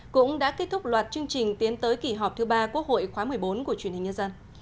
cũng đã kết thúc loạt chương trình tiến tới kỳ họp thứ ba quốc hội khóa một mươi bốn của truyền hình nhân dân